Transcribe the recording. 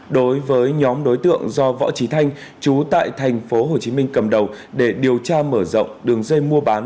đối với nhóm đối tượng do võ trí thanh chú tại tp hcm cầm đầu để điều tra mở rộng đường dây mua bán